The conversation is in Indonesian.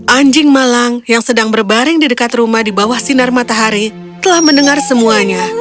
anjing malang yang sedang berbaring di dekat rumah di bawah sinar matahari telah mendengar semuanya